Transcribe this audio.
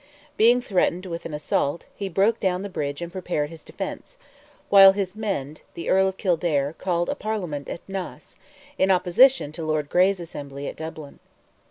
Being threatened with an assault, he broke down the bridge and prepared his defence, while his friend, the Earl of Kildare, called a Parliament at Naas, in opposition to Lord Grey's Assembly at Dublin.